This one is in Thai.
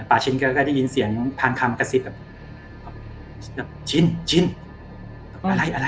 ปาชินก็ได้ยินเสียงแบบจิ้นจิ้น